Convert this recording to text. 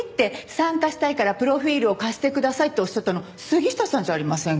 参加したいからプロフィルを貸してくださいっておっしゃったの杉下さんじゃありませんか。